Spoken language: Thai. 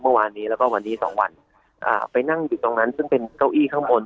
เมื่อวานนี้แล้วก็วันนี้สองวันอ่าไปนั่งอยู่ตรงนั้นซึ่งเป็นเก้าอี้ข้างบน